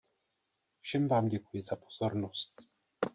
Všem vám děkuji za pozornost.